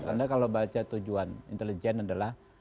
anda kalau baca tujuan intelijen adalah